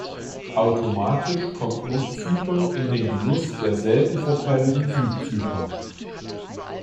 Automatisch kommt Nordzypern in den Genuss derselben Vorteile wie Südzypern.